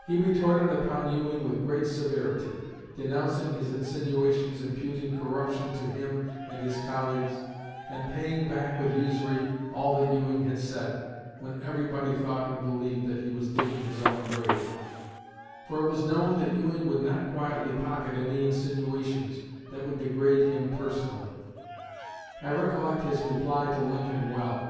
He retorted upon Ewing with great severity, denouncing his insinuations imputing corruption to him and his colleagues, and paying back with usury all that Ewing had said, when everybody thought and believed that he was digging his own grave; for it was known that Ewing would not quietly pocket any insinuations that would degrade him personally. I recollect his reply to Lincoln well.